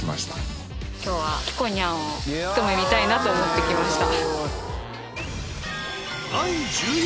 今日はひこにゃんをひと目見たいなと思って来ました。